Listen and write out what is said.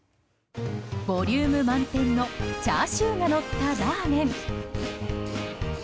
ボリューム満点のチャーシューがのったラーメン。